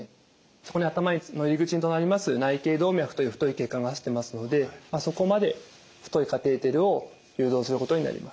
そこに頭の入り口となります内頚動脈という太い血管が走ってますのでそこまで太いカテーテルを誘導することになります。